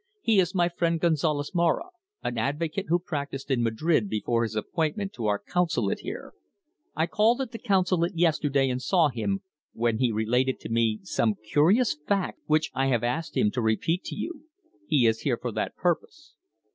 He is my friend Gonzalez Maura, an advocate who practised in Madrid before his appointment to our Consulate here. I called at the Consulate yesterday and saw him, when he related to me some curious facts which I have asked him to repeat to you. He is here for that purpose."